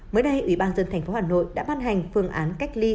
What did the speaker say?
mới đây ủy ban dân thành phố hà nội đã ban hành phương án cách ly